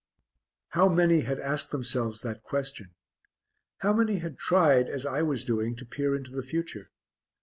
How many had asked themselves that question! How many had tried as I was doing to peer into the future.